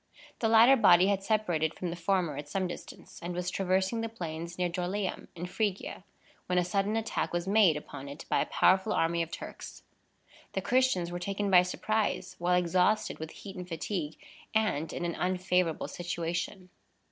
The latter body had separated from the former at some distance, and was traversing the plains near Dorylæum, in Phrygia, when a sudden attack was made upon it by a powerful army of Turks. The Christians were taken by surprise, while exhausted with heat and fatigue, and in an unfavorable situation.